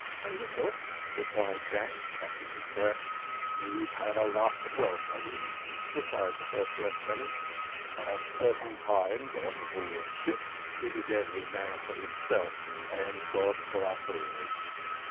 "A little," replied Jack, catching his breath. "You've had but a rough welcome," replied the first lieutenant, "but at certain times, on board ship, it is every man for himself, and God for us all.